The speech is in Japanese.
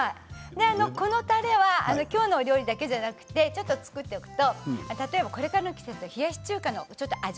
このたれは今日の料理だけでなくちょっと作っておくと例えばこれからの季節冷やし中華の味